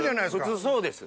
普通そうです。